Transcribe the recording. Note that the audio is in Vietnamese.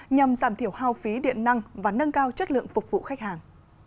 nhằm giảm thiểu hao phí điện năng và nâng cao chất lượng phục vụ khách hàng